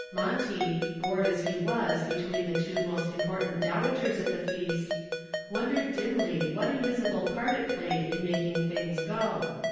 Monty, bored as he was between the two most important dowagers at the feast, wondered dimly what invisible part it played in making things go.